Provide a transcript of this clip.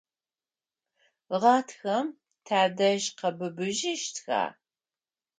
Гъатхэм тадэжь къэбыбыжьыщтха?